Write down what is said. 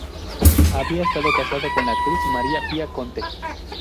Había estado casado con la actriz Maria Pia Conte.